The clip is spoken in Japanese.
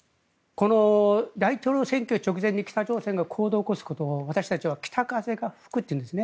この大統領選挙直前に北朝鮮が行動を起こすことを私たちは北風が吹くというんですね。